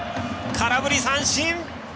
空振り三振！